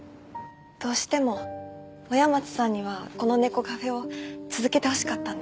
どうしても親松さんにはこの猫カフェを続けてほしかったんです。